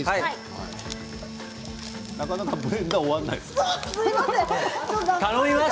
なかなかブレンダーが終わらないですね。